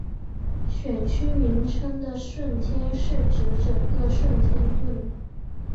选区名称的顺天是指整个顺天邨。